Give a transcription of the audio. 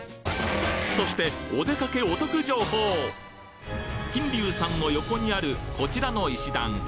そして金龍さんの横にあるこちらの石段。